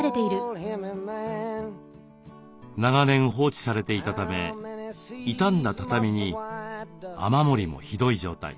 長年放置されていたため傷んだ畳に雨漏りもひどい状態。